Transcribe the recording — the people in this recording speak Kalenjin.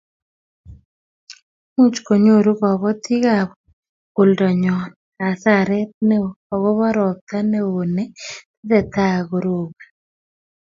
Much kunyoru kabotikab oldo nyo hasaret neoo akobo robta neoo ne tesetai koroboni